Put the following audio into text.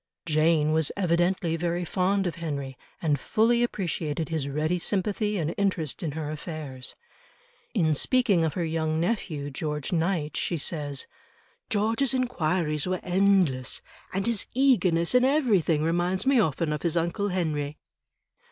Jane was evidently very fond of Henry, and fully appreciated his ready sympathy and interest in her affairs. In speaking of her young nephew George Knight, she says: "George's enquiries were endless, and his eagerness in everything reminds me often of his uncle Henry."